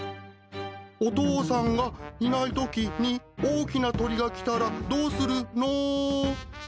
お父さんがいないときに大きな鳥が来たらどうするの？